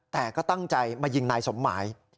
แต่ก็ตั้งใจมายิงนายสมหมาย